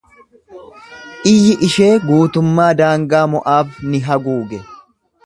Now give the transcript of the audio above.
Iyyi ishee guutummaa daangaa Mo’aab ni haguuge.